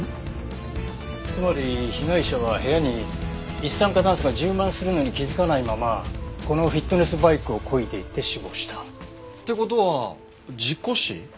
つまり被害者は部屋に一酸化炭素が充満するのに気づかないままこのフィットネスバイクをこいでいて死亡した。って事は事故死？